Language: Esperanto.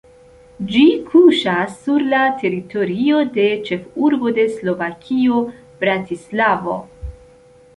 Ĝi kuŝas sur la teritorio de ĉefurbo de Slovakio Bratislavo.